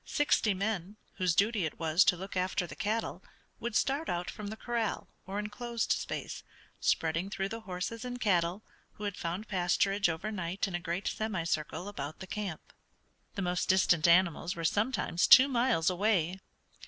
Sixty men, whose duty it was to look after the cattle, would start out from the corral, or enclosed space, spreading through the horses and cattle, who had found pasturage over night in a great semicircle about the camp. The most distant animals were sometimes two miles away.